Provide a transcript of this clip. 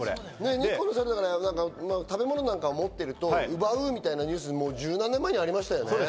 日光のサルだから食べ物なんか持ってると奪うみたいなニュースも十何年前にありましたね。